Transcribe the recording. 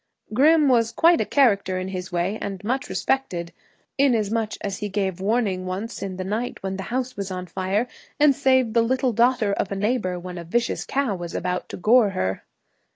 Grim was quite a character in his way and much respected, inasmuch as he gave warning once in the night when the house was on fire, and saved the little daughter of a neighbor when a vicious cow was about to gore her.